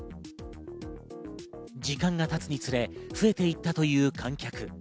時間が経つにつれ、増えていったという観客。